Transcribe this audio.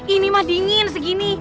ini mah dingin segini